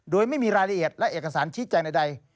โดยไม่มีรายละเอียดและเอกสารชี้แจงใด